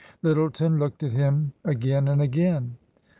Lyttleton looked at him again and again.